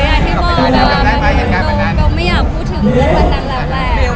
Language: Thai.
เฮ้ยอาจจะบอกว่าแบบว่าแบบว่าไม่อยากพูดถึงเพื่อนคนนั้นแหละแหละ